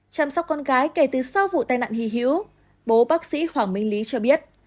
chăm sóc con gái kể từ sau vụ tai nạn hy hữu bố bác sĩ hoàng minh lý cho biết